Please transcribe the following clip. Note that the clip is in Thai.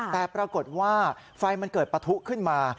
แต่ปรากฏว่าไฟมันเกิดปะทุขึ้นมา